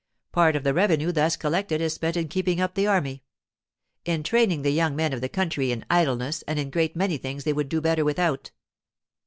Part of the revenue thus collected is spent in keeping up the army—in training the young men of the country in idleness and in a great many things they would do better without.